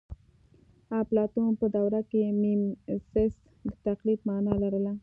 اپلاتون په دوره کې میمیسیس د تقلید مانا لرله